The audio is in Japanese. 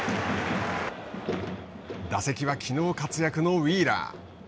打席はきのう活躍のウィーラー。